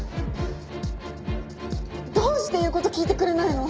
どうして言う事聞いてくれないの？